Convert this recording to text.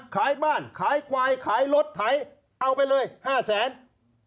ขายบ้านขายไกวขายรถขายเอาไปเลยห้าแสนนิกา